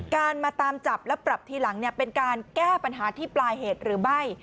การมาตามจับและปรับทีหลังเป็นการแก้ปัญหาที่ปลายเหตุหรือไม่